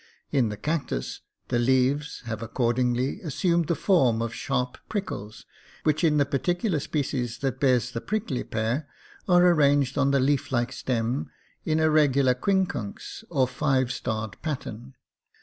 In the cactus the leaves have, accordingly, assumed the form of sharp prickles, which in the particular species that bears the prickly pear are arranged on the leaf like stem in a regular quincunx or five starred pattern.